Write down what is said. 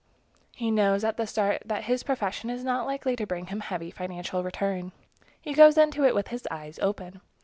He knows at the start that his profession is not likely to bring him heavy financial return. He goes into it with his eyes open.